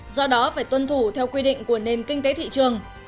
do đó phải tuân thủ theo quy định của nền kinh tế thị trường